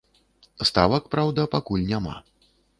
Ставак, праўда, пакуль няма.